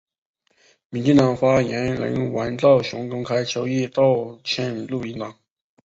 民进党发言人阮昭雄公开邱毅道歉录音档。